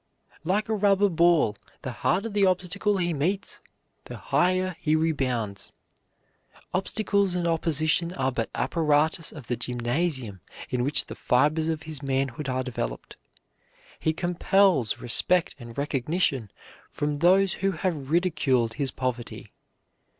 Like a rubber ball, the harder the obstacle he meets the higher he rebounds. Obstacles and opposition are but apparatus of the gymnasium in which the fibers of his manhood are developed. He compels respect and recognition from those who have ridiculed his poverty.